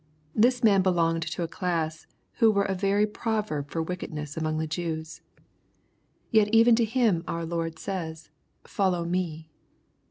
This man belonged to a class who were a very proverb for wicked ness among the Jews. Yet even to him our Lord says, " Follow me."